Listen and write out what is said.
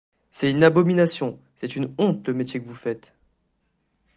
C’est une abomination, c’est une honte, le métier que vous faites !